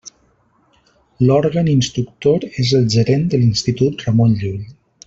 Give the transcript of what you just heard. L'òrgan instructor és el gerent de l'Institut Ramon Llull.